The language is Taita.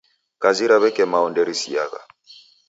Kazi ra w'eke mao nderisiagha